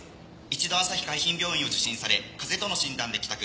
一度あさひ海浜病院を受診され風邪との診断で帰宅。